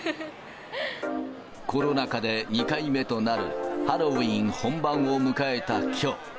コロナ禍で２回目となるハロウィーン本番を迎えたきょう。